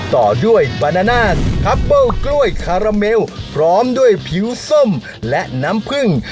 ต่อด้วยบานานาสพับเบิ้ลกล้วยคาราเมลพร้อมด้วยผิวส้มและน้ำผึ้ง